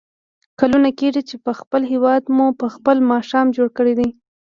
کلونه کېږي چې په خپل هېواد مو په خپله ماښام جوړ کړی دی.